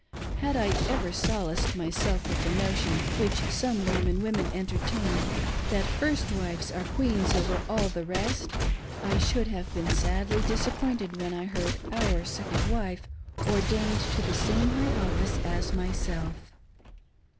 Had I ever solaced myself with the notion, which some Mormon women entertain, that first wives are queens over all the rest, I should have been sadly disappointed when I heard "our" second wife ordained to the same high ofifice as myself.